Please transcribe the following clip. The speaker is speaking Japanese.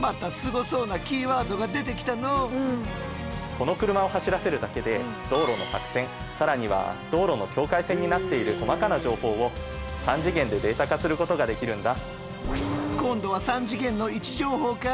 この車を走らせるだけで道路の白線更には道路の境界線になっている細かな情報を３次元でデータ化することができるんだ。